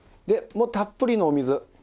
でもうたっぷりのお水。